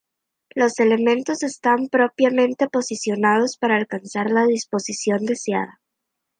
Los elementos están propiamente posicionados para alcanzar la disposición deseada.